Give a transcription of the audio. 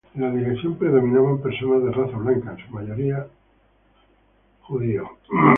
En la dirección predominaban personas de raza blanca, en su mayoría judíos.